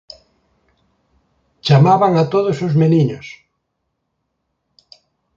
Chamaban a todos os neniños.